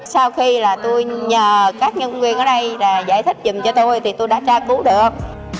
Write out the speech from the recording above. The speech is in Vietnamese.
sau khi là tôi nhờ các nhân viên ở đây là giải thích dùng cho tôi thì tôi đã tra cứu được